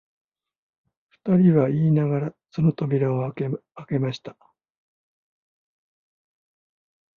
二人は言いながら、その扉をあけました